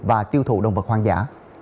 và tiêu thụ động vật hoang dã